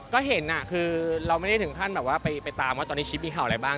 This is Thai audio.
ก็เห็นคือเราไม่ได้ถึงขั้นแบบว่าไปตามว่าตอนนี้ชิปมีข่าวอะไรบ้าง